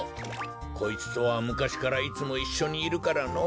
こいつとはむかしからいつもいっしょにいるからのぉ。